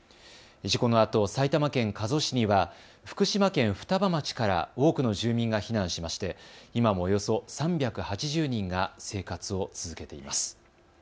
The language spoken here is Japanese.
事故のあと埼玉県加須市には福島県双葉町から多くの住民が避難しまして今もおよそ３８０人が生活を続けています。